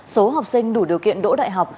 số học sinh đủ điều kiện đỗ đại học